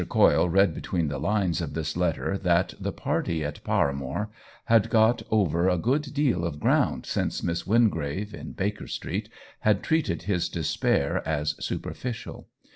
Coyle read between the lines of this letter that the party at Par amore had got over a good deal of ground since Miss Wingrave, in Baker Street, had treated his despair as superficial.